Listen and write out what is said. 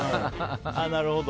なるほど。